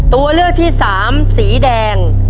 ตัวเลือกที่สามสีแดง